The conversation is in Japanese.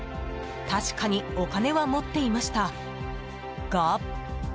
確かにお金は持っていましたが。